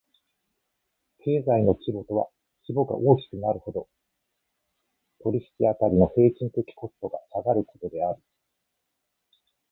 規模の経済とは規模が大きくなるほど、取引辺りの平均的コストが下がることである。